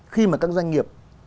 khi mà các doanh nghiệp